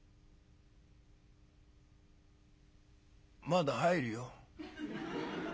「まだ入るよ。